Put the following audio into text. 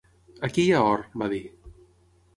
"Aquí hi ha or" va dir.